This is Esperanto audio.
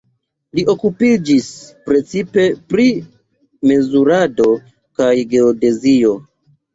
Li okupiĝis precipe pri mezurado kaj geodezio.